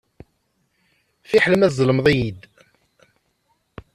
Fiḥel ma tzellmeḍ-iyi-d.